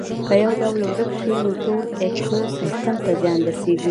که یو ډول ورک شي نو ټول ایکوسیستم ته زیان رسیږي